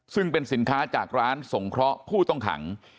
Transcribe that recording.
ซึ่งเป็นสินค้าจากร้านสงเคราะห์ผู้ต้องขัง